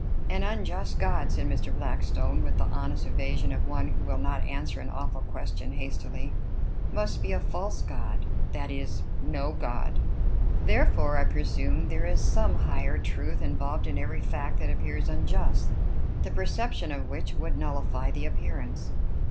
"An unjust god," said Mr. Blackstone, with the honest evasion of one who will not answer an awful question hastily, "must be a false god, that is, no god. Therefore I presume there is some higher truth involved in every fact that appears unjust, the perception of which would nullify the appearance."